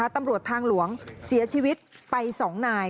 ตำรวจทางหลวงเสียชีวิตไป๒นาย